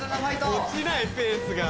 落ちないペースが。